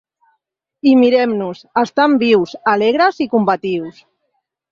I mirem-nos; estam vius, alegres i combatius.